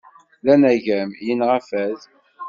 D anagem, yinɣa fad.